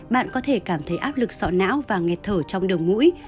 bạn có thể cảm thấy áp lực sọ não và nghẹt thở trong đầu mũi